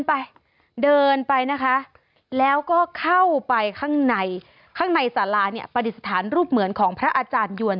ค่อยเดินไปแล้วก็เข้าไปข้างในสาลาร์ปฏิสภาษณ์รูปเหมือนของพระอาจารย์หยวน